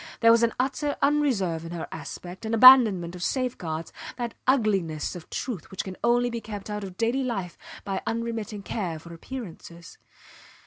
There was an utter unreserve in her aspect, an abandonment of safeguards, that ugliness of truth which can only be kept out of daily life by unremitting care for appearances.